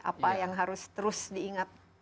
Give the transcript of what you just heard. apa yang harus terus diingat